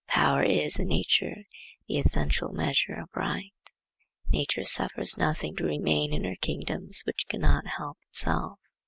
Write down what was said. Power is, in nature, the essential measure of right. Nature suffers nothing to remain in her kingdoms which cannot help itself.